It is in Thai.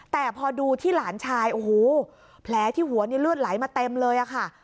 แต่พอดูที่หลานชายโอ้โหแผลที่หัวนี่เลือดไหลมาเต็มเลยค่ะ